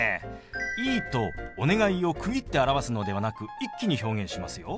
「いい」と「お願い」を区切って表すのではなく一気に表現しますよ。